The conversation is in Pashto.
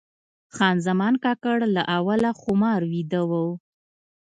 خان زمان کاکړ له اوله خمار ویده و.